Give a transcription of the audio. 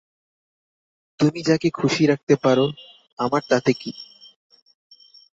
তুমি যাকে খুশি রাখতে পারো আমার তাতে কী।